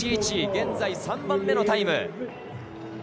現在３番目のタイム。